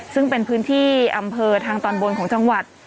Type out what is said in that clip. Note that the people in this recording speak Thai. ซึ่งเป็นพื้นที่อำเภอทางตอนบนของจังหวัด